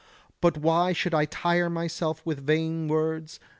But why should I tire myself with vain words?